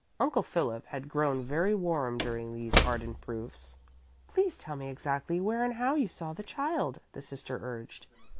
Uncle Philip had grown very warm during these ardent proofs. "Please tell me exactly where and how you saw the child," the sister urged.